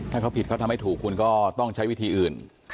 ถ้าเขาผิดเขาทำให้ถูกคุณก็ต้องใช้วิธีอื่น